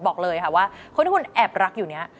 บอกเลยค่ะว่าคนที่คุณแอบรักอยู่เนี่ย